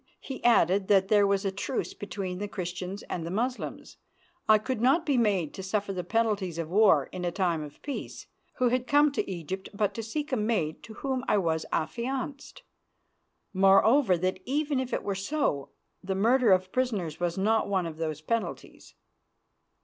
He added that as there was a truce between the Christians and the Moslems, I could not be made to suffer the penalties of war in a time of peace, who had come to Egypt but to seek a maid to whom I was affianced. Moreover, that even if it were so, the murder of prisoners was not one of those penalties.